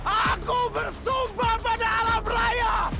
aku bersumpah pada alam raya